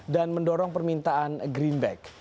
dan mendorong permintaan greenback